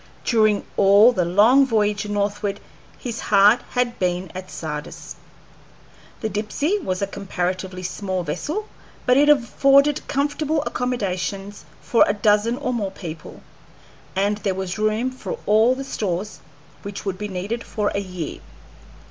During all the long voyage northward his heart had been at Sardis. The Dipsey was a comparatively small vessel, but it afforded comfortable accommodations for a dozen or more people, and there was room for all the stores which would be needed for a year.